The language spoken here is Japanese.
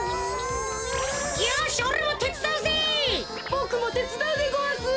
ボクもてつだうでごわす！